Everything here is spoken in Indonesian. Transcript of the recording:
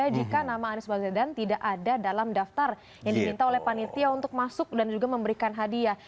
jika nama anies baswedan tidak ada dalam daftar yang diminta oleh panitia untuk masuk dan juga memberikan hadiah